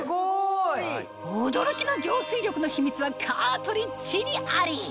驚きの浄水力の秘密はカートリッジにあり！